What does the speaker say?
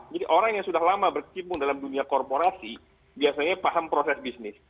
jadi orang yang sudah lama berkimpung dalam dunia korporasi biasanya paham proses bisnis